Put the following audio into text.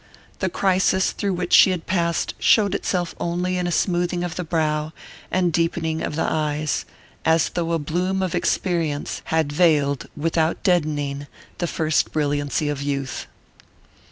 The crisis through which she had passed showed itself only in a smoothing of the brow and deepening of the eyes, as though a bloom of experience had veiled without deadening the first brilliancy of youth.